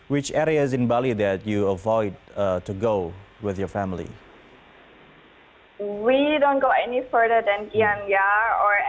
di mana area di bali yang anda jauhkan untuk pergi dengan keluarga anda